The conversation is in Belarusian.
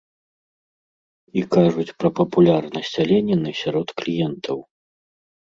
І кажуць пра папулярнасць аленіны сярод кліентаў.